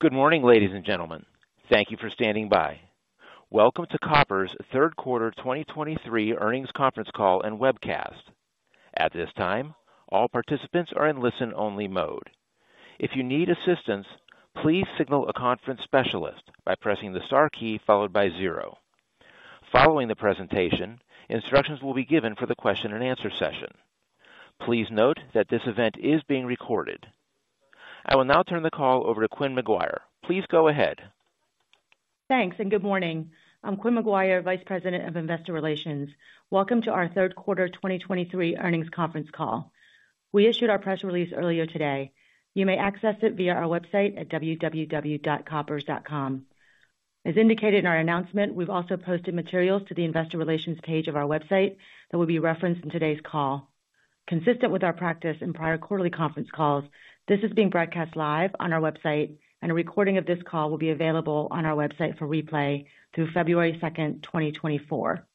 Good morning, ladies and gentlemen. Thank you for standing by. Welcome to Koppers' Third Quarter 2023 Earnings Conference Call and Webcast. At this time, all participants are in listen-only mode. If you need assistance, please signal a conference specialist by pressing the star key followed by zero. Following the presentation, instructions will be given for the question and answer session. Please note that this event is being recorded. I will now turn the call over to Quynh McGuire. Please go ahead. Thanks, and good morning. I'm Quynh McGuire, Vice President of Investor Relations. Welcome to our Third Quarter 2023 Earnings Conference Call. We issued our press release earlier today. You may access it via our website at www.koppers.com. As indicated in our announcement, we've also posted materials to the investor relations page of our website that will be referenced in today's call. Consistent with our practice in prior quarterly conference calls, this is being broadcast live on our website, and a recording of this call will be available on our website for replay through February 2nd, 2024.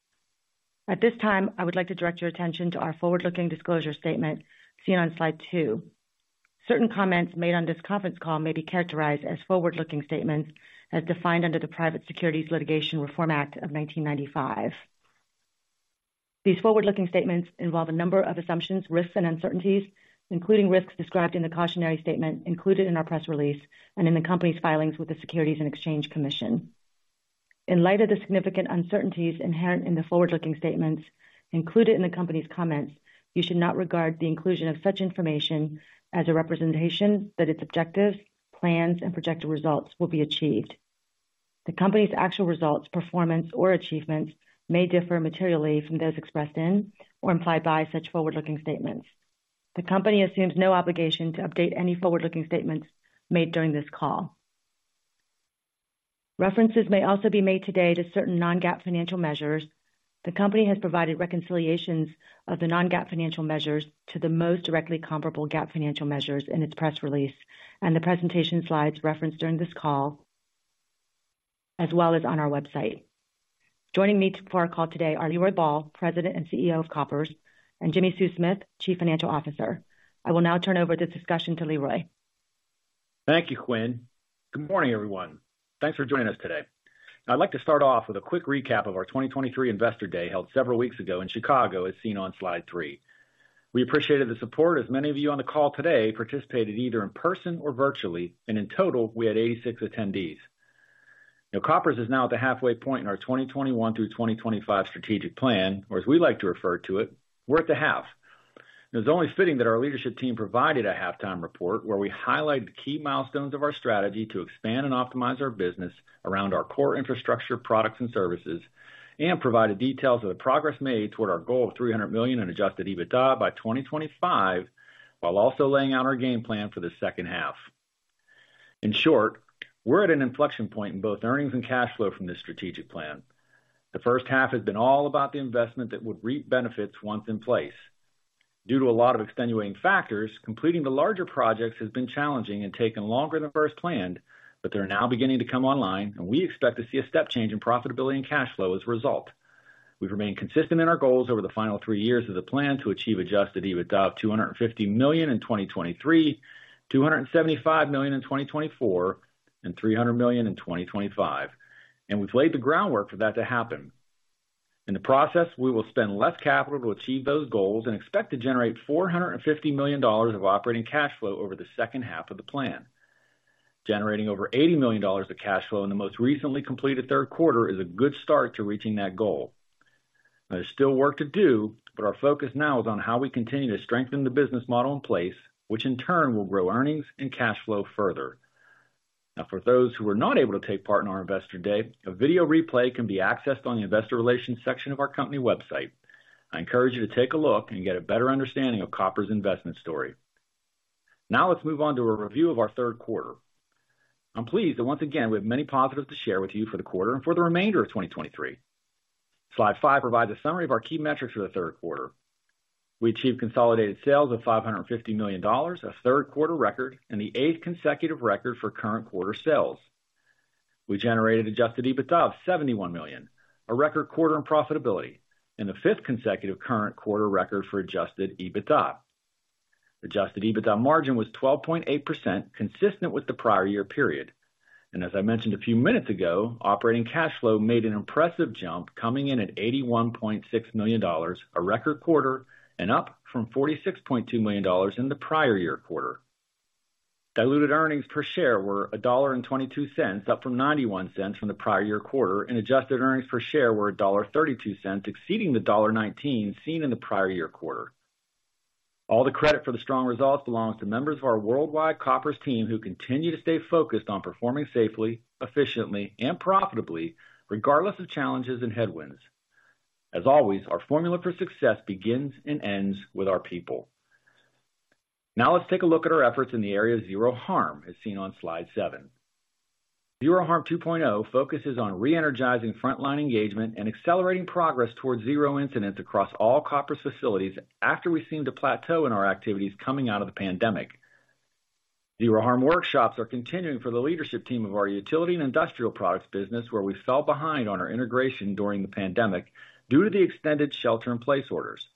At this time, I would like to direct your attention to our forward-looking disclosure statement seen on slide two. Certain comments made on this conference call may be characterized as forward-looking statements as defined under the Private Securities Litigation Reform Act of 1995. These forward-looking statements involve a number of assumptions, risks, and uncertainties, including risks described in the cautionary statement included in our press release and in the company's filings with the Securities and Exchange Commission. In light of the significant uncertainties inherent in the forward-looking statements included in the company's comments, you should not regard the inclusion of such information as a representation that its objectives, plans, and projected results will be achieved. The company's actual results, performance, or achievements may differ materially from those expressed in or implied by such forward-looking statements. The company assumes no obligation to update any forward-looking statements made during this call. References may also be made today to certain non-GAAP financial measures. The company has provided reconciliations of the non-GAAP financial measures to the most directly comparable GAAP financial measures in its press release and the presentation slides referenced during this call, as well as on our website. Joining me for our call today are Leroy Ball, President and CEO of Koppers, and Jimmi Sue Smith, Chief Financial Officer. I will now turn over this discussion to Leroy. Thank you, Quynh. Good morning, everyone. Thanks for joining us today. I'd like to start off with a quick recap of our 2023 Investor Day, held several weeks ago in Chicago, as seen on slide three. We appreciated the support as many of you on the call today participated either in person or virtually, and in total, we had 86 attendees. Now, Koppers is now at the halfway point in our 2021 through 2025 strategic plan, or as we like to refer to it, we're at the half. It's only fitting that our leadership team provided a halftime report, where we highlighted the key milestones of our strategy to expand and optimize our business around our core infrastructure, products, and services, and provided details of the progress made toward our goal of $300 million in adjusted EBITDA by 2025, while also laying out our game plan for the second half. In short, we're at an inflection point in both earnings and cash flow from this strategic plan. The first half has been all about the investment that would reap benefits once in place. Due to a lot of extenuating factors, completing the larger projects has been challenging and taken longer than first planned, but they're now beginning to come online, and we expect to see a step change in profitability and cash flow as a result. We've remained consistent in our goals over the final three years of the plan to achieve adjusted EBITDA of $250 million in 2023, $275 million in 2024, and $300 million in 2025, and we've laid the groundwork for that to happen. In the process, we will spend less capital to achieve those goals and expect to generate $450 million of operating cash flow over the second half of the plan. Generating over $80 million of cash flow in the most recently completed third quarter is a good start to reaching that goal. There's still work to do, but our focus now is on how we continue to strengthen the business model in place, which in turn will grow earnings and cash flow further. Now, for those who were not able to take part in our Investor Day, a video replay can be accessed on the investor relations section of our company website. I encourage you to take a look and get a better understanding of Koppers' investment story. Now, let's move on to a review of our third quarter. I'm pleased that once again, we have many positives to share with you for the quarter and for the remainder of 2023. Slide five provides a summary of our key metrics for the third quarter. We achieved consolidated sales of $550 million, a third quarter record and the eighth consecutive record for current quarter sales. We generated adjusted EBITDA of $71 million, a record quarter in profitability and the fifth consecutive current quarter record for adjusted EBITDA. Adjusted EBITDA margin was 12.8%, consistent with the prior year period. As I mentioned a few minutes ago, operating cash flow made an impressive jump, coming in at $81.6 million, a record quarter, and up from $46.2 million in the prior year quarter. Diluted earnings per share were $1.22, up from $0.91 from the prior year quarter, and adjusted earnings per share were $1.32, exceeding the $1.19 seen in the prior year quarter. All the credit for the strong results belongs to members of our worldwide Koppers team, who continue to stay focused on performing safely, efficiently, and profitably, regardless of challenges and headwinds. As always, our formula for success begins and ends with our people. Now, let's take a look at our efforts in the area of Zero Harm, as seen on slide seven. Zero Harm 2.0 focuses on re-energizing frontline engagement and accelerating progress towards zero incidents across all Koppers facilities after we seemed to plateau in our activities coming out of the pandemic. Zero Harm workshops are continuing for the leadership team of our utility and industrial products business, where we fell behind on our integration during the pandemic due to the extended shelter in place orders.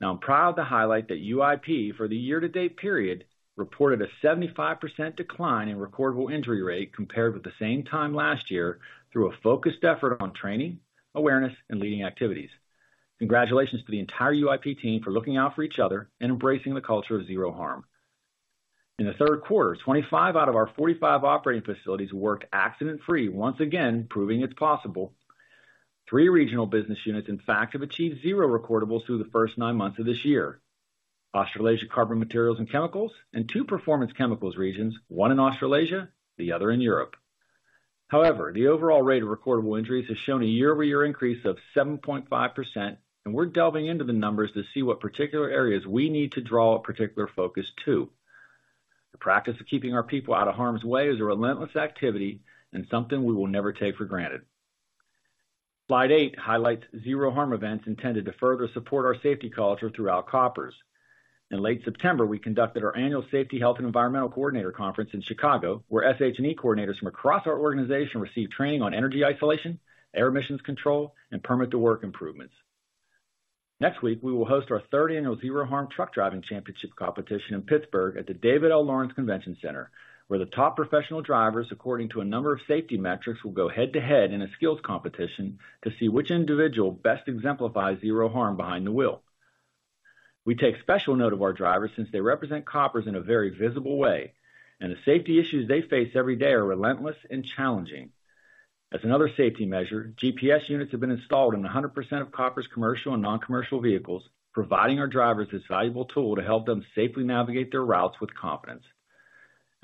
Now, I'm proud to highlight that UIP, for the year-to-date period, reported a 75% decline in recordable injury rate compared with the same time last year, through a focused effort on training, awareness, and leading activities. Congratulations to the entire UIP team for looking out for each other and embracing the culture of Zero Harm. In the third quarter, 25 out of our 45 operating facilities worked accident-free, once again, proving it's possible. Three regional business units, in fact, have achieved zero recordables through the first nine months of this year: Australasia Carbon Materials and Chemicals, and two Performance Chemicals regions, one in Australasia, the other in Europe. However, the overall rate of recordable injuries has shown a year-over-year increase of 7.5%, and we're delving into the numbers to see what particular areas we need to draw a particular focus to. The practice of keeping our people out of harm's way is a relentless activity and something we will never take for granted. Slide eight highlights Zero Harm events intended to further support our safety culture throughout Koppers. In late September, we conducted our annual Safety, Health and Environmental Coordinator Conference in Chicago, where SH&E coordinators from across our organization received training on energy isolation, air emissions control, and permit to work improvements. Next week, we will host our third annual Zero Harm Truck Driving Championship competition in Pittsburgh at the David L. Lawrence Convention Center, where the top professional drivers, according to a number of safety metrics, will go head-to-head in a skills competition to see which individual best exemplifies Zero Harm behind the wheel. We take special note of our drivers since they represent Koppers in a very visible way, and the safety issues they face every day are relentless and challenging. As another safety measure, GPS units have been installed in 100% of Koppers' commercial and non-commercial vehicles, providing our drivers this valuable tool to help them safely navigate their routes with confidence.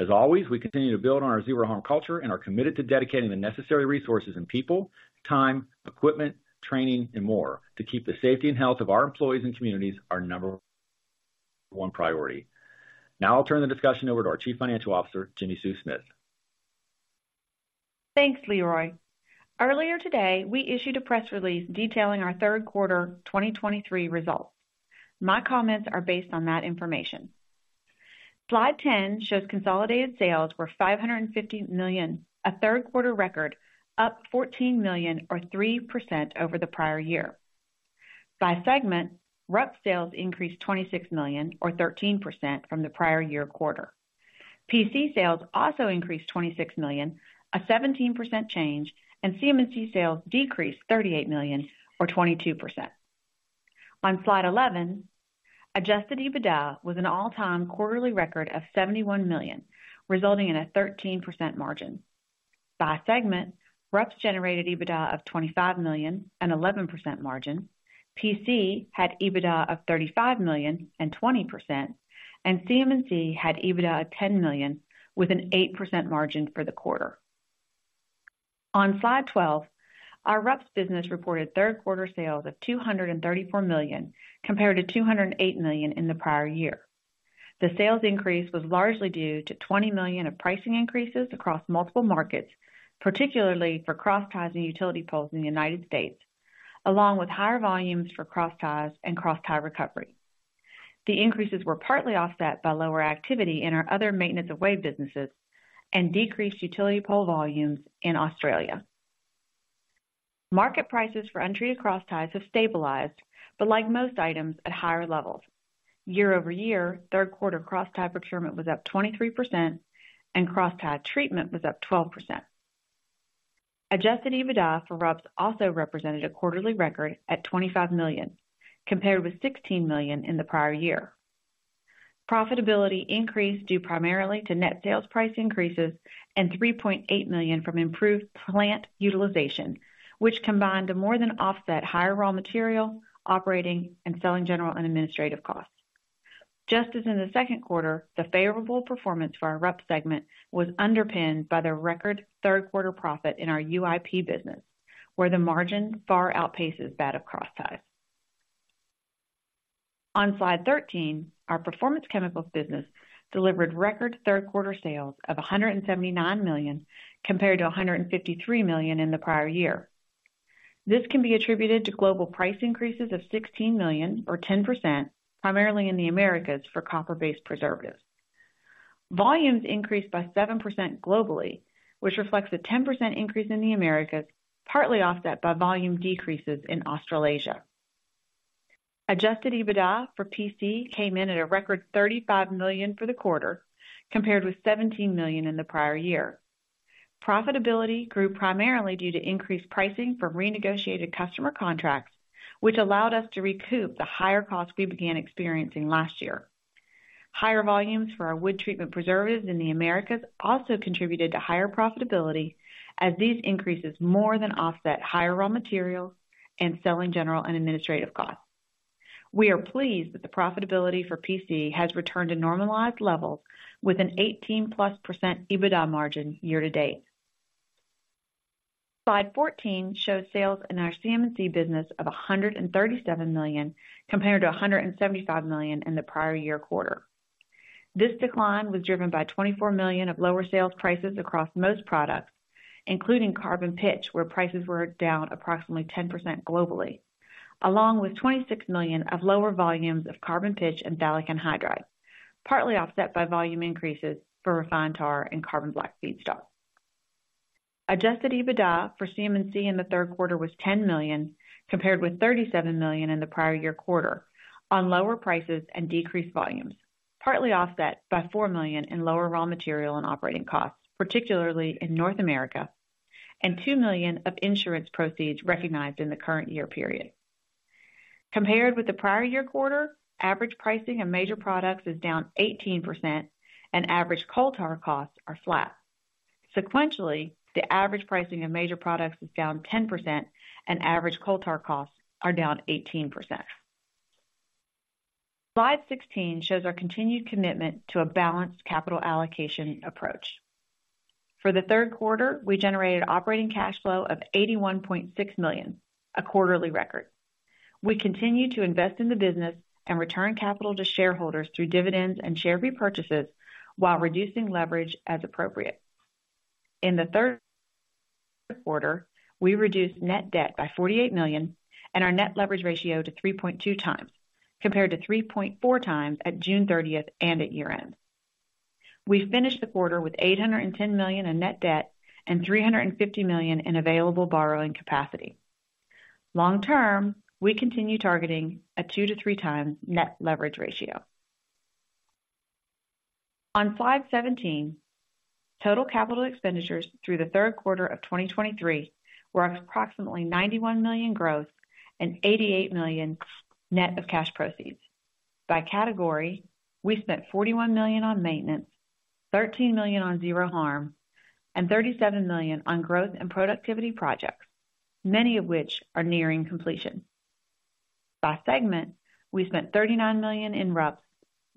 As always, we continue to build on our Zero Harm culture and are committed to dedicating the necessary resources in people, time, equipment, training, and more to keep the safety and health of our employees and communities our number one priority. Now I'll turn the discussion over to our Chief Financial Officer, Jimmi Sue Smith. Thanks, Leroy. Earlier today, we issued a press release detailing our third quarter 2023 results. My comments are based on that information. Slide 10 shows consolidated sales were $550 million, a third quarter record, up $14 million or 3% over the prior year. By segment, RUPS sales increased $26 million, or 13% from the prior year quarter. PC sales also increased $26 million, a 17% change, and CM&C sales decreased $38 million, or 22%. On slide 11, adjusted EBITDA was an all-time quarterly record of $71 million, resulting in a 13% margin. By segment, RUPS generated EBITDA of $25 million, an 11% margin. PC had EBITDA of $35 million and 20%, and CM&C had EBITDA of $10 million, with an 8% margin for the quarter. On Slide 12, our RUPS business reported third quarter sales of $234 million, compared to $208 million in the prior year. The sales increase was largely due to $20 million of pricing increases across multiple markets, particularly for crossties and utility poles in the United States, along with higher volumes for crossties and crosstie recovery. The increases were partly offset by lower activity in our other maintenance-of-way businesses and decreased utility pole volumes in Australia. Market prices for untreated crossties have stabilized, but like most items, at higher levels. Year-over-year, third quarter crosstie procurement was up 23% and crosstie treatment was up 12%. Adjusted EBITDA for RUPS also represented a quarterly record at $25 million, compared with $16 million in the prior year. Profitability increased due primarily to net sales price increases and $3.8 million from improved plant utilization, which combined to more than offset higher raw material, operating, and selling general and administrative costs. Just as in the second quarter, the favorable performance for our RUPS segment was underpinned by the record third quarter profit in our UIP business, where the margin far outpaces that of crossties. On Slide 13, our Performance Chemicals business delivered record third quarter sales of $179 million, compared to $153 million in the prior year. This can be attributed to global price increases of $16 million, or 10%, primarily in the Americas, for copper-based preservatives. Volumes increased by 7% globally, which reflects a 10% increase in the Americas, partly offset by volume decreases in Australasia. Adjusted EBITDA for PC came in at a record $35 million for the quarter, compared with $17 million in the prior year. Profitability grew primarily due to increased pricing from renegotiated customer contracts, which allowed us to recoup the higher costs we began experiencing last year. Higher volumes for our wood treatment preservatives in the Americas also contributed to higher profitability, as these increases more than offset higher raw materials and selling general and administrative costs. We are pleased that the profitability for PC has returned to normalized levels with an 18%+ EBITDA margin year to date. Slide 14 shows sales in our CM&C business of $137 million, compared to $175 million in the prior year quarter. This decline was driven by $24 million of lower sales prices across most products, including carbon pitch, where prices were down approximately 10% globally, along with $26 million of lower volumes of carbon pitch and phthalic anhydride, partly offset by volume increases for refined tar and carbon black feedstock. Adjusted EBITDA for CM&C in the third quarter was $10 million, compared with $37 million in the prior year quarter, on lower prices and decreased volumes, partly offset by $4 million in lower raw material and operating costs, particularly in North America, and $2 million of insurance proceeds recognized in the current year period. Compared with the prior year quarter, average pricing of major products is down 18% and average coal tar costs are flat. Sequentially, the average pricing of major products is down 10% and average coal tar costs are down 18%. Slide 16 shows our continued commitment to a balanced capital allocation approach. For the third quarter, we generated operating cash flow of $81.6 million, a quarterly record. We continue to invest in the business and return capital to shareholders through dividends and share repurchases while reducing leverage as appropriate. In the third quarter, we reduced net debt by $48 million and our net leverage ratio to 3.2x, compared to 3.4x at June 30 and at year-end. We finished the quarter with $810 million in net debt and $350 million in available borrowing capacity. Long term, we continue targeting a 2x-3x net leverage ratio. On slide 17, total capital expenditures through the third quarter of 2023 were approximately $91 million growth and $88 million net of cash proceeds. By category, we spent $41 million on maintenance, $13 million on Zero Harm, and $37 million on growth and productivity projects, many of which are nearing completion. By segment, we spent $39 million in RUPS,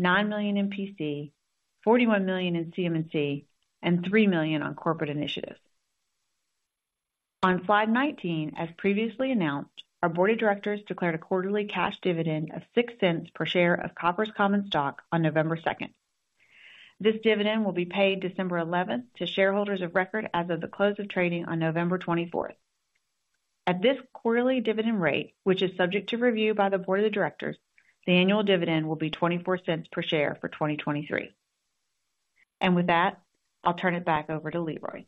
$9 million in PC, $41 million in CM&C, and $3 million on corporate initiatives. On slide 19, as previously announced, our Board of Directors declared a quarterly cash dividend of $0.06 per share of Koppers common stock on November 2nd. This dividend will be paid December 11th to shareholders of record as of the close of trading on November 24th. At this quarterly dividend rate, which is subject to review by the Board of Directors, the annual dividend will be $0.24 per share for 2023. And with that, I'll turn it back over to Leroy.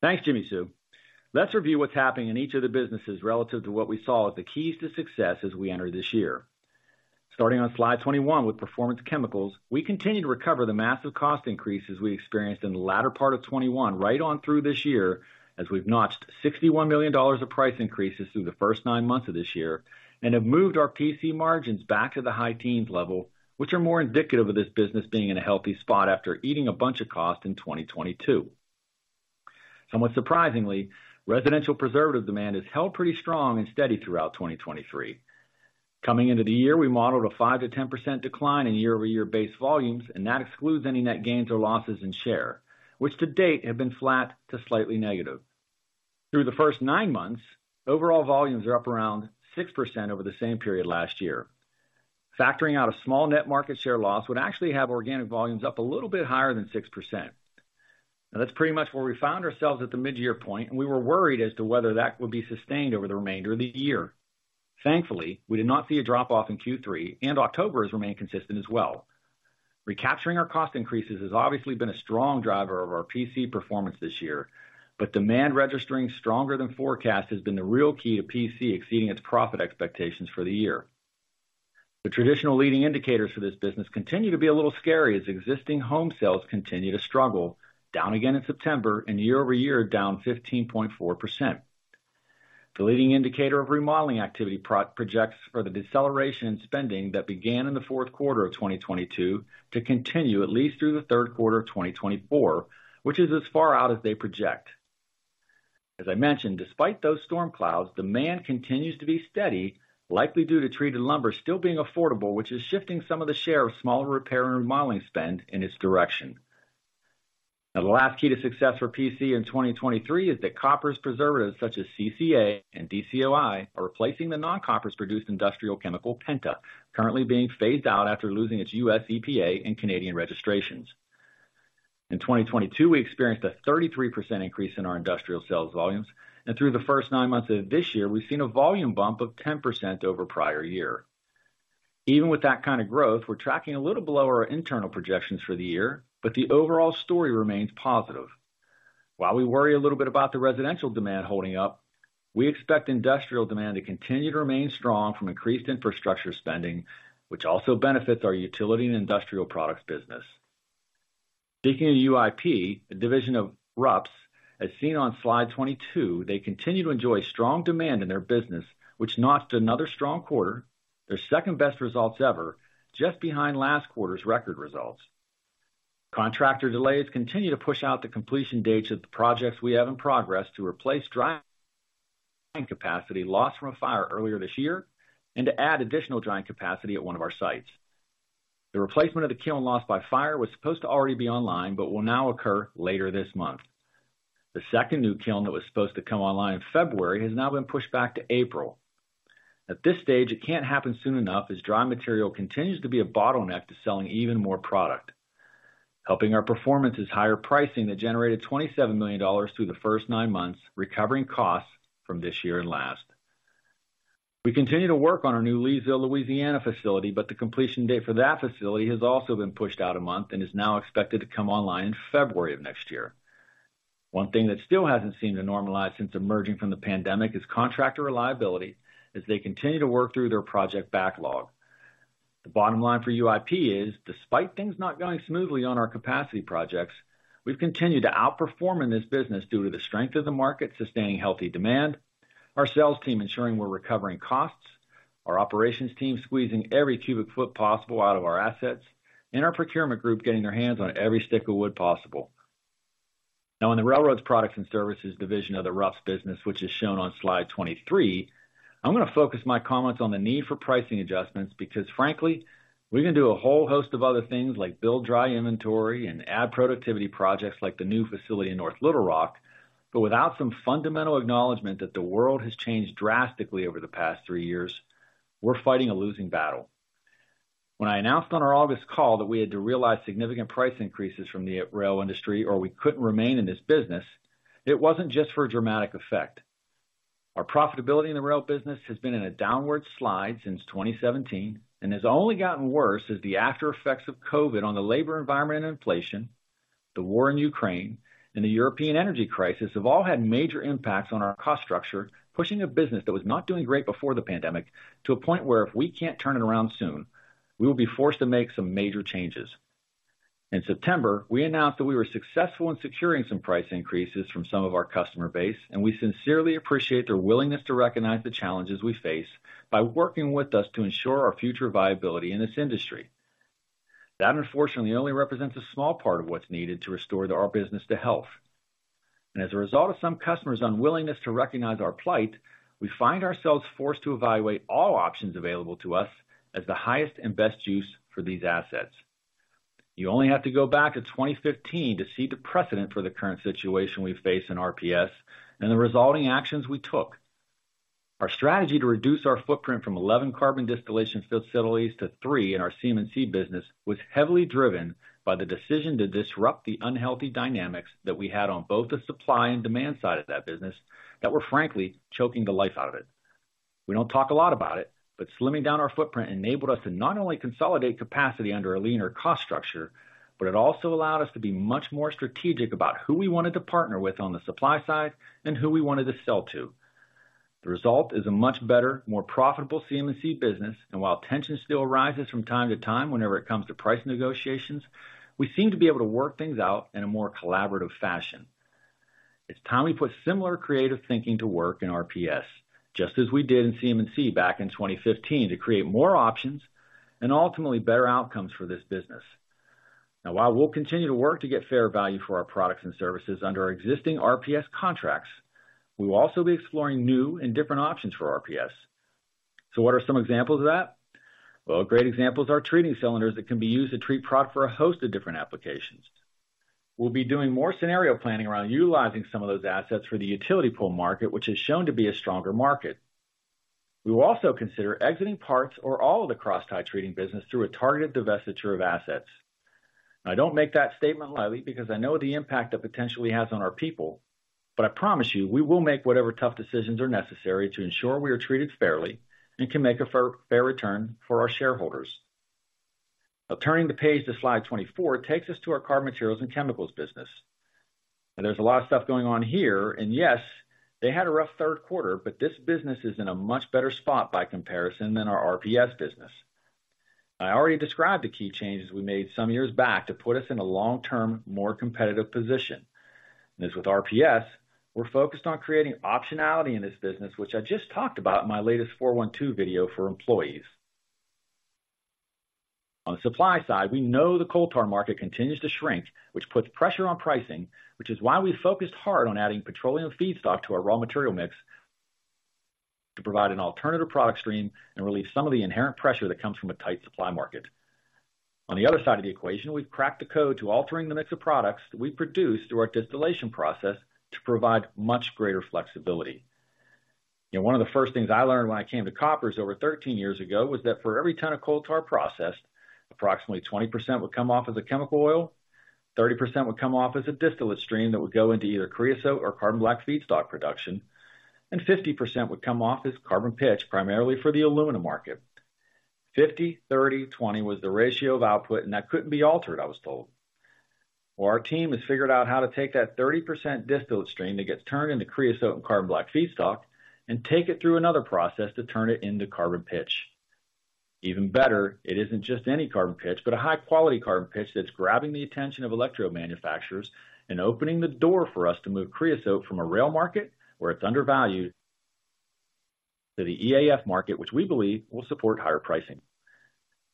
Thanks, Jimmi Sue. Let's review what's happening in each of the businesses relative to what we saw as the keys to success as we enter this year. Starting on slide 21, with Performance Chemicals, we continue to recover the massive cost increases we experienced in the latter part of 2021, right on through this year, as we've notched $61 million of price increases through the first nine months of this year, and have moved our PC margins back to the high teens level, which are more indicative of this business being in a healthy spot after eating a bunch of costs in 2022. Somewhat surprisingly, residential preservative demand has held pretty strong and steady throughout 2023. Coming into the year, we modeled a 5%-10% decline in year-over-year base volumes, and that excludes any net gains or losses in share, which to date have been flat to slightly negative. Through the first nine months, overall volumes are up around 6% over the same period last year. Factoring out a small net market share loss would actually have organic volumes up a little bit higher than 6%. Now, that's pretty much where we found ourselves at the midyear point, and we were worried as to whether that would be sustained over the remainder of the year. Thankfully, we did not see a drop-off in Q3, and October has remained consistent as well. Recapturing our cost increases has obviously been a strong driver of our PC performance this year, but demand registering stronger than forecast has been the real key to PC exceeding its profit expectations for the year. The traditional leading indicators for this business continue to be a little scary, as existing home sales continue to struggle, down again in September, and year-over-year, down 15.4%. The leading indicator of remodeling activity projects for the deceleration in spending that began in the fourth quarter of 2022 to continue at least through the third quarter of 2024, which is as far out as they project. As I mentioned, despite those storm clouds, demand continues to be steady, likely due to treated lumber still being affordable, which is shifting some of the share of smaller repair and remodeling spend in its direction. Now, the last key to success for PC in 2023 is that Koppers preservatives, such as CCA and DCOI, are replacing the non-Koppers produced industrial chemical Penta, currently being phased out after losing its U.S. EPA and Canadian registrations. In 2022, we experienced a 33% increase in our industrial sales volumes, and through the first nine months of this year, we've seen a volume bump of 10% over prior year. Even with that kind of growth, we're tracking a little below our internal projections for the year, but the overall story remains positive. While we worry a little bit about the residential demand holding up, we expect industrial demand to continue to remain strong from increased infrastructure spending, which also benefits our utility and industrial products business. Speaking of UIP, a division of RUPS, as seen on slide 22, they continue to enjoy strong demand in their business, which notched another strong quarter, their second-best results ever, just behind last quarter's record results. Contractor delays continue to push out the completion dates of the projects we have in progress to replace drying capacity lost from a fire earlier this year and to add additional drying capacity at one of our sites. The replacement of the kiln lost by fire was supposed to already be online, but will now occur later this month. The second new kiln that was supposed to come online in February has now been pushed back to April. At this stage, it can't happen soon enough, as dry material continues to be a bottleneck to selling even more product. Helping our performance is higher pricing that generated $27 million through the first nine months, recovering costs from this year and last. We continue to work on our new Leesville, Louisiana facility, but the completion date for that facility has also been pushed out a month and is now expected to come online in February of next year. One thing that still hasn't seemed to normalize since emerging from the pandemic is contractor reliability, as they continue to work through their project backlog. The bottom line for UIP is, despite things not going smoothly on our capacity projects, we've continued to outperform in this business due to the strength of the market sustaining healthy demand, our sales team ensuring we're recovering costs, our operations team squeezing every cubic foot possible out of our assets, and our procurement group getting their hands on every stick of wood possible. Now, on the Railroad Products and Services division of the RUPS business, which is shown on slide 23. I'm gonna focus my comments on the need for pricing adjustments, because frankly, we can do a whole host of other things like build dry inventory and add productivity projects like the new facility in North Little Rock. But without some fundamental acknowledgment that the world has changed drastically over the past three years, we're fighting a losing battle. When I announced on our August call that we had to realize significant price increases from the rail industry or we couldn't remain in this business, it wasn't just for a dramatic effect. Our profitability in the rail business has been in a downward slide since 2017 and has only gotten worse as the aftereffects of COVID on the labor environment and inflation, the war in Ukraine, and the European energy crisis, have all had major impacts on our cost structure, pushing a business that was not doing great before the pandemic, to a point where if we can't turn it around soon, we will be forced to make some major changes. In September, we announced that we were successful in securing some price increases from some of our customer base, and we sincerely appreciate their willingness to recognize the challenges we face by working with us to ensure our future viability in this industry. That, unfortunately, only represents a small part of what's needed to restore our business to health. As a result of some customers' unwillingness to recognize our plight, we find ourselves forced to evaluate all options available to us as the highest and best use for these assets. You only have to go back to 2015 to see the precedent for the current situation we face in RPS and the resulting actions we took. Our strategy to reduce our footprint from 11 carbon distillation facilities to three in our CM&C business was heavily driven by the decision to disrupt the unhealthy dynamics that we had on both the supply and demand side of that business that were frankly choking the life out of it. We don't talk a lot about it, but slimming down our footprint enabled us to not only consolidate capacity under a leaner cost structure, but it also allowed us to be much more strategic about who we wanted to partner with on the supply side and who we wanted to sell to. The result is a much better, more profitable CM&C business, and while tension still arises from time to time whenever it comes to pricing negotiations, we seem to be able to work things out in a more collaborative fashion. It's time we put similar creative thinking to work in RPS, just as we did in CM&C back in 2015, to create more options and ultimately better outcomes for this business. Now, while we'll continue to work to get fair value for our products and services under our existing RPS contracts, we will also be exploring new and different options for RPS. So what are some examples of that? Well, great examples are treating cylinders that can be used to treat product for a host of different applications. We'll be doing more scenario planning around utilizing some of those assets for the utility pole market, which has shown to be a stronger market. We will also consider exiting parts or all of the crosstie treating business through a targeted divestiture of assets. I don't make that statement lightly because I know the impact it potentially has on our people, but I promise you, we will make whatever tough decisions are necessary to ensure we are treated fairly and can make a fair, fair return for our shareholders. Now, turning the page to slide 24 takes us to our Carbon Materials and Chemicals business. There's a lot of stuff going on here, and yes, they had a rough third quarter, but this business is in a much better spot by comparison than our RPS business. I already described the key changes we made some years back to put us in a long-term, more competitive position. As with RPS, we're focused on creating optionality in this business, which I just talked about in my latest 412 video for employees. On the supply side, we know the coal tar market continues to shrink, which puts pressure on pricing, which is why we focused hard on adding petroleum feedstock to our raw material mix, to provide an alternative product stream and relieve some of the inherent pressure that comes from a tight supply market. On the other side of the equation, we've cracked the code to altering the mix of products that we produce through our distillation process to provide much greater flexibility. You know, one of the first things I learned when I came to Koppers over 13 years ago, was that for every ton of coal tar processed, approximately 20% would come off as a chemical oil, 30% would come off as a distillate stream that would go into either creosote or carbon black feedstock production, and 50% would come off as carbon pitch, primarily for the aluminum market. 50, 30, 20 was the ratio of output, and that couldn't be altered, I was told. Well, our team has figured out how to take that 30% distillate stream that gets turned into creosote and carbon black feedstock, and take it through another process to turn it into carbon pitch. Even better, it isn't just any carbon pitch, but a high-quality carbon pitch that's grabbing the attention of electrode manufacturers and opening the door for us to move creosote from a rail market where it's undervalued, to the EAF market, which we believe will support higher pricing.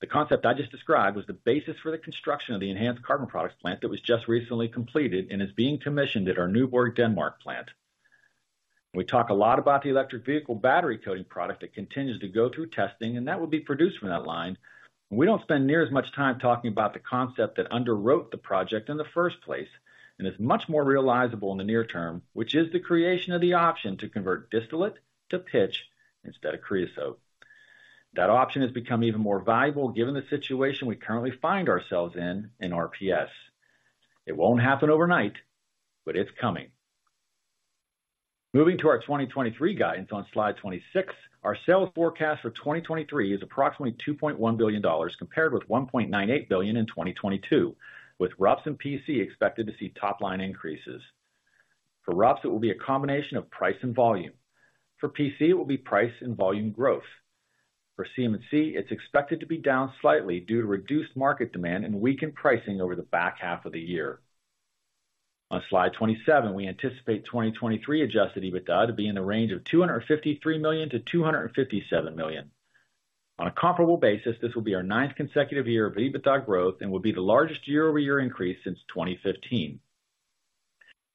The concept I just described was the basis for the construction of the enhanced carbon products plant that was just recently completed and is being commissioned at our Nyborg, Denmark plant. We talk a lot about the electric vehicle battery coating product that continues to go through testing, and that will be produced from that line. We don't spend near as much time talking about the concept that underwrote the project in the first place, and is much more realizable in the near term, which is the creation of the option to convert distillate to pitch instead of creosote. That option has become even more viable given the situation we currently find ourselves in, in RPS. It won't happen overnight, but it's coming. Moving to our 2023 guidance on slide 26, our sales forecast for 2023 is approximately $2.1 billion, compared with $1.98 billion in 2022, with RUPS and PC expected to see top line increases. For RUPS, it will be a combination of price and volume. For PC, it will be price and volume growth. For CM&C, it's expected to be down slightly due to reduced market demand and weakened pricing over the back half of the year. On slide 27, we anticipate 2023 adjusted EBITDA to be in the range of $253 million-$257 million. On a comparable basis, this will be our ninth consecutive year of EBITDA growth and will be the largest year-over-year increase since 2015.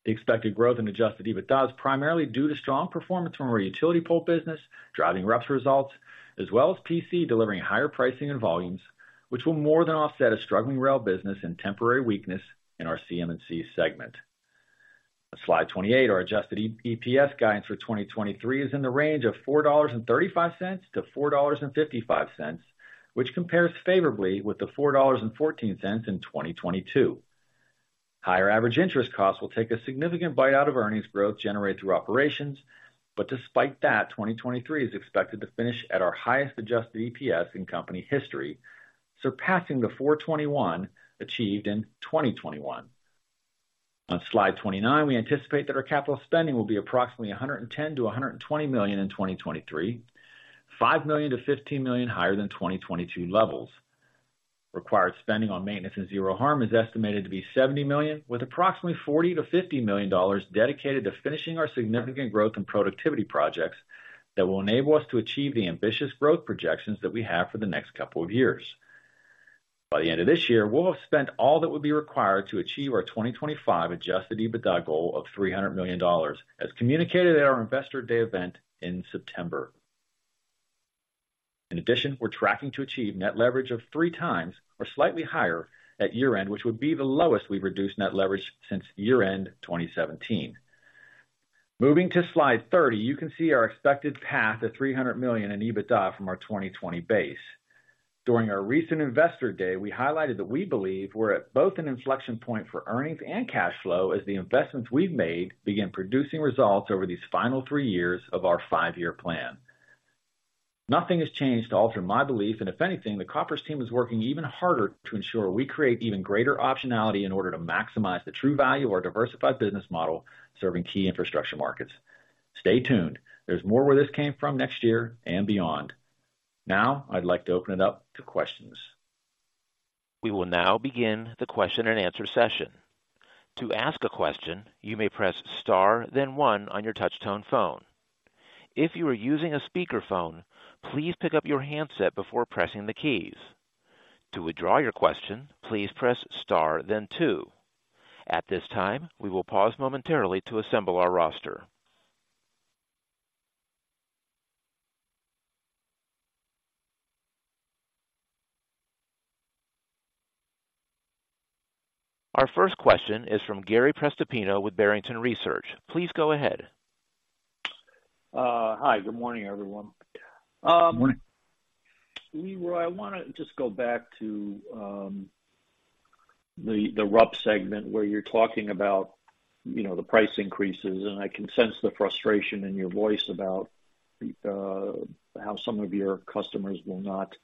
The expected growth in adjusted EBITDA is primarily due to strong performance from our utility pole business, driving RUPS results, as well as PC delivering higher pricing and volumes, which will more than offset a struggling rail business and temporary weakness in our CM&C segment. On slide 28, our adjusted EPS guidance for 2023 is in the range of $4.35-$4.55, which compares favorably with the $4.14 in 2022. Higher average interest costs will take a significant bite out of earnings growth generated through operations, but despite that, 2023 is expected to finish at our highest adjusted EPS in company history, surpassing the $4.21 achieved in 2021. On slide 29, we anticipate that our capital spending will be approximately $110 million-$120 million in 2023, $5 million-$15 million higher than 2022 levels. Required spending on maintenance and Zero Harm is estimated to be $70 million, with approximately $40 million-$50 million dedicated to finishing our significant growth and productivity projects that will enable us to achieve the ambitious growth projections that we have for the next couple of years. By the end of this year, we'll have spent all that would be required to achieve our 2025 adjusted EBITDA goal of $300 million, as communicated at our Investor Day event in September. In addition, we're tracking to achieve net leverage of 3x or slightly higher at year-end, which would be the lowest we've reduced net leverage since year-end 2017. Moving to slide 30, you can see our expected path to $300 million in EBITDA from our 2020 base. During our recent Investor Day, we highlighted that we believe we're at both an inflection point for earnings and cash flow as the investments we've made begin producing results over these final three years of our five-year plan. Nothing has changed to alter my belief, and if anything, the Koppers team is working even harder to ensure we create even greater optionality in order to maximize the true value of our diversified business model, serving key infrastructure markets. Stay tuned. There's more where this came from next year and beyond. Now, I'd like to open it up to questions. We will now begin the question-and-answer session. To ask a question, you may press star, then one on your touch tone phone. If you are using a speakerphone, please pick up your handset before pressing the keys. To withdraw your question, please press star then two. At this time, we will pause momentarily to assemble our roster. Our first question is from Gary Prestopino with Barrington Research. Please go ahead. Hi, good morning, everyone. Good morning. Leroy, I wanna just go back to the RUPS segment, where you're talking about, you know, the price increases, and I can sense the frustration in your voice about how some of your customers will not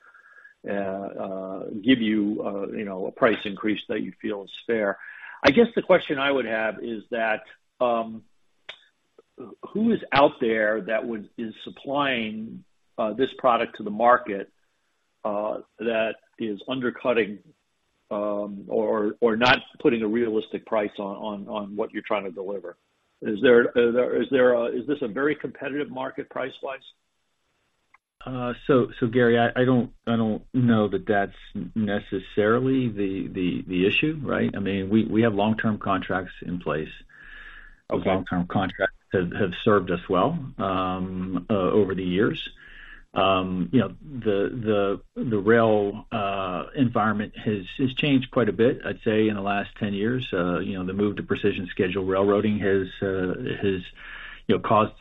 give you, you know, a price increase that you feel is fair. I guess the question I would have is that who is out there that would-- is supplying this product to the market that is undercutting or not putting a realistic price on what you're trying to deliver? Is there-- Is this a very competitive market, price-wise? So, Gary, I don't know that that's necessarily the issue, right? I mean, we have long-term contracts in place. Our long-term contracts have served us well over the years. You know, the rail environment has changed quite a bit, I'd say, in the last 10 years. You know, the move to precision scheduled railroading has caused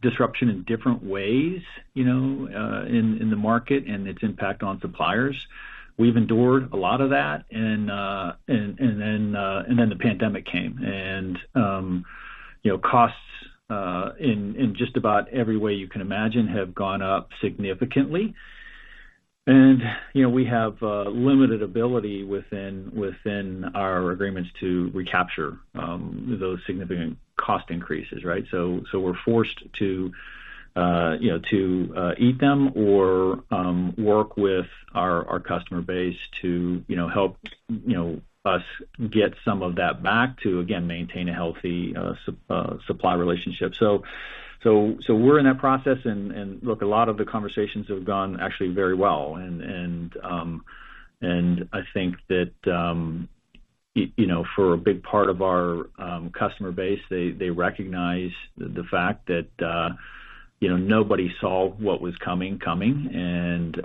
disruption in different ways, you know, in the market and its impact on suppliers. We've endured a lot of that, and then the pandemic came. You know, costs in just about every way you can imagine have gone up significantly. You know, we have limited ability within our agreements to recapture those significant cost increases, right? So, so we're forced to, you know, to, eat them or, work with our customer base to, you know, help, you know, us get some of that back to, again, maintain a healthy supply relationship. So, we're in that process. And look, a lot of the conversations have gone actually very well. And, I think that, you know, for a big part of our customer base, they recognize the fact that, you know, nobody saw what was coming, and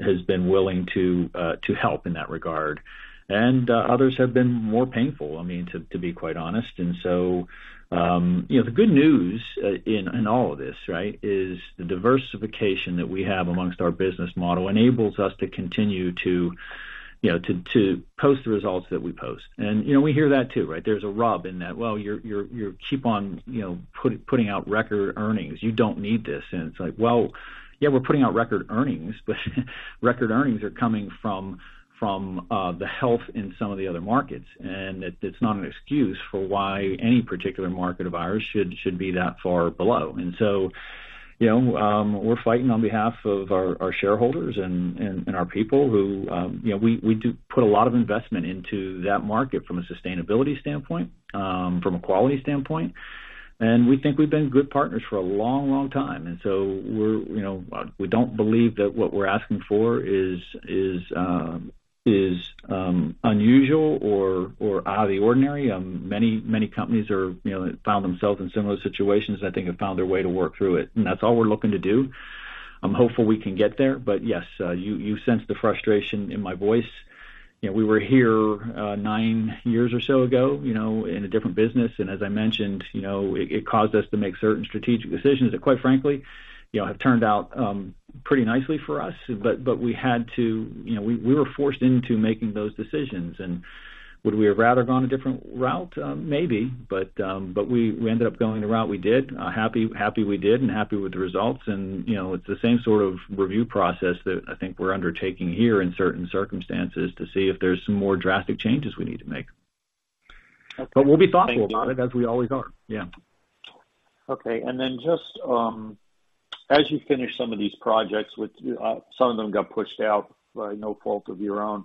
has been willing to help in that regard. And, others have been more painful, I mean, to be quite honest. And so, you know, the good news in all of this, right? It's the diversification that we have among our business model enables us to continue to, you know, to post the results that we post. And, you know, we hear that too, right? There's a rub in that. "Well, you keep on, you know, putting out record earnings. You don't need this." And it's like, well, yeah, we're putting out record earnings, but record earnings are coming from the health in some of the other markets. And it's not an excuse for why any particular market of ours should be that far below. And so, you know, we're fighting on behalf of our shareholders and our people who, you know, we do put a lot of investment into that market from a sustainability standpoint, from a quality standpoint. We think we've been good partners for a long, long time, and so we're—you know, we don't believe that what we're asking for is unusual or out of the ordinary. Many, many companies are, you know, found themselves in similar situations, I think, have found their way to work through it, and that's all we're looking to do. I'm hopeful we can get there. But yes, you sense the frustration in my voice. You know, we were here nine years or so ago, you know, in a different business, and as I mentioned, you know, it caused us to make certain strategic decisions that, quite frankly, you know, have turned out pretty nicely for us. But we had to. You know, we were forced into making those decisions. Would we have rather gone a different route? Maybe, but, but we ended up going the route we did. Happy, happy we did and happy with the results. You know, it's the same sort of review process that I think we're undertaking here in certain circumstances, to see if there's some more drastic changes we need to make. Okay. But we'll be thoughtful about it, as we always are. Yeah. Okay, and then just, as you finish some of these projects with, some of them got pushed out by no fault of your own.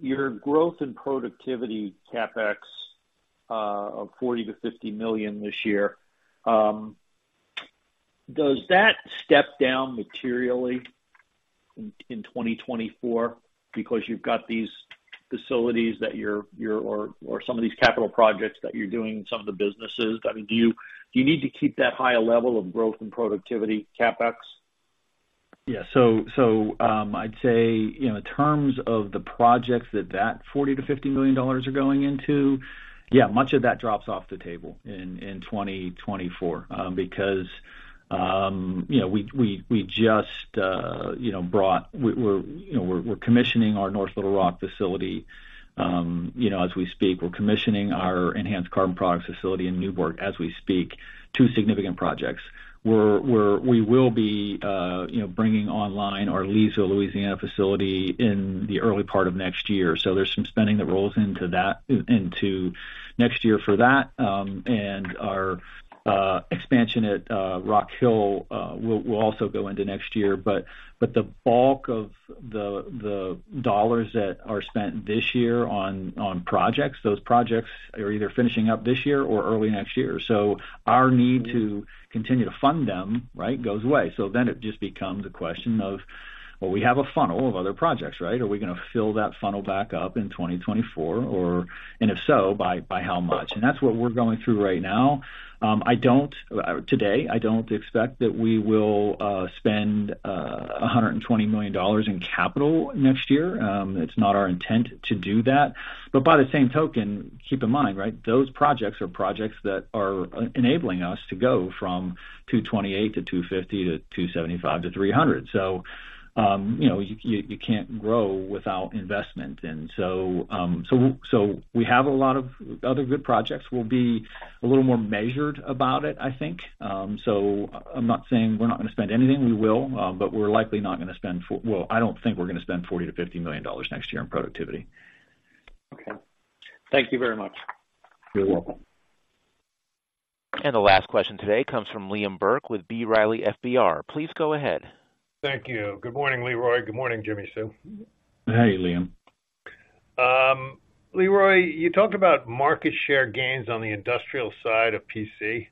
Your growth in productivity CapEx, of $40 million-$50 million this year, does that step down materially in 2024 because you've got these facilities that you're, or some of these capital projects that you're doing in some of the businesses? I mean, do you need to keep that higher level of growth and productivity CapEx? Yeah. So, I'd say, you know, in terms of the projects that $40 million-$50 million are going into, yeah, much of that drops off the table in 2024. Because, you know, we just brought—we're commissioning our North Little Rock facility, you know, as we speak. We're commissioning our enhanced carbon products facility in Nyborg as we speak, two significant projects. We're—we will be, you know, bringing online our Leesville, Louisiana, facility in the early part of next year. So there's some spending that rolls into that, into next year for that. And our expansion at Rock Hill will also go into next year. But the bulk of the dollars that are spent this year on projects, those projects are either finishing up this year or early next year. So our need to continue to fund them, right, goes away. So then it just becomes a question of, well, we have a funnel of other projects, right? Are we going to fill that funnel back up in 2024, or... And if so, by, by how much? And that's what we're going through right now. Today, I don't expect that we will spend $120 million in capital next year. It's not our intent to do that. But by the same token, keep in mind, right, those projects are projects that are enabling us to go from 228-250, to 275-300. So, you know, you can't grow without investment. And so, so we have a lot of other good projects. We'll be a little more measured about it, I think. So I'm not saying we're not going to spend anything, we will, but we're likely not going to spend—well, I don't think we're going to spend $40-$50 million next year on productivity. Okay. Thank you very much. You're welcome. The last question today comes from Liam Burke with B. Riley FBR. Please go ahead. Thank you. Good morning, Leroy. Good morning, Jimmi Sue. Hey, Liam. Leroy, you talked about market share gains on the industrial side of PC.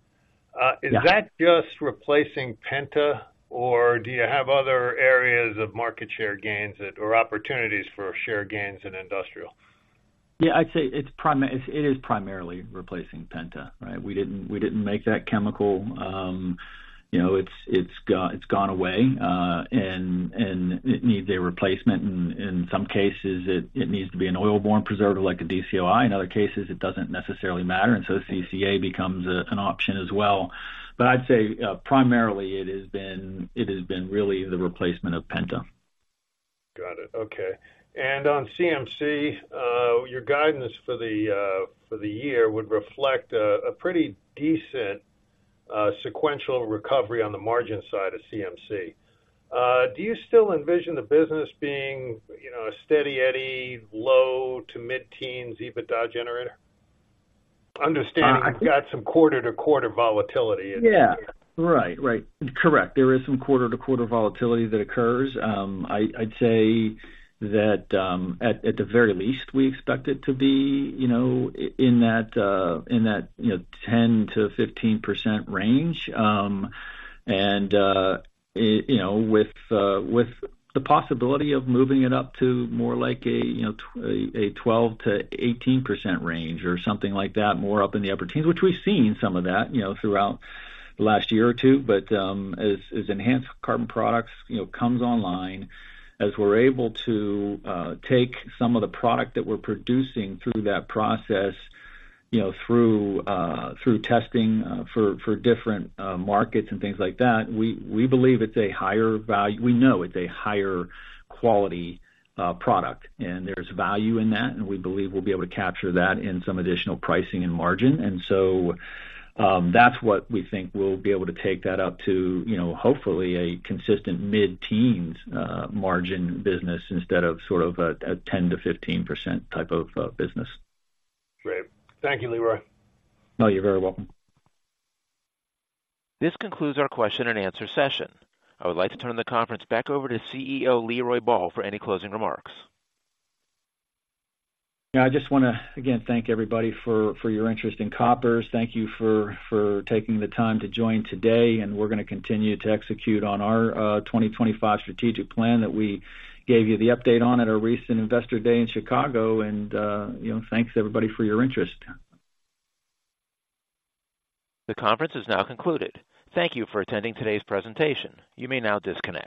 Yeah. Is that just replacing Penta, or do you have other areas of market share gains that... or opportunities for share gains in industrial? Yeah, I'd say it's primarily replacing penta, right? We didn't, we didn't make that chemical. You know, it's gone away, and it needs a replacement, and in some cases, it needs to be an oil-borne preservative, like a DCOI. In other cases, it doesn't necessarily matter, and so CCA becomes an option as well. But I'd say, primarily it has been really the replacement of penta. Got it. Okay. And on CM&C, your guidance for the, for the year would reflect a, a pretty decent, sequential recovery on the margin side of CM&C. Do you still envision the business being, you know, a steady Eddie, low to mid-teens EBITDA generator? Understanding- Uh. You've got some quarter-to-quarter volatility. Yeah. Right, right. Correct. There is some quarter-to-quarter volatility that occurs. I'd say that at the very least, we expect it to be, you know, in that 10%-15% range. And with the possibility of moving it up to more like a, you know, a 12%-18% range or something like that, more up in the upper teens, which we've seen some of that, you know, throughout the last year or two. But, as enhanced carbon products, you know, comes online, as we're able to take some of the product that we're producing through that process, you know, through testing for different markets and things like that, we believe it's a higher value—we know it's a higher quality product, and there's value in that, and we believe we'll be able to capture that in some additional pricing and margin. And so, that's what we think we'll be able to take that up to, you know, hopefully, a consistent mid-teens margin business instead of sort of a ten to fifteen percent type of business. Great. Thank you, Leroy. Oh, you're very welcome. This concludes our question-and-answer session. I would like to turn the conference back over to CEO Leroy Ball for any closing remarks. Yeah, I just want to, again, thank everybody for, for your interest in Koppers. Thank you for, for taking the time to join today, and we're going to continue to execute on our 2025 strategic plan that we gave you the update on at our recent Investor Day in Chicago. And, you know, thanks, everybody, for your interest. The conference is now concluded. Thank you for attending today's presentation. You may now disconnect.